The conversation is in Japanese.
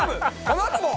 このあとも。